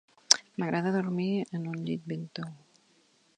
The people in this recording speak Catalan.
M'agrada dormir en un llit ben tou.